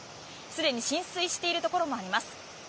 すでに浸水しているところもあります。